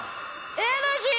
エナジー！